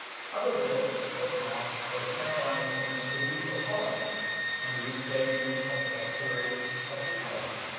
Other bills were passed for the canalising of the Hook of Holland, and the reclaiming of the estuary of the Y.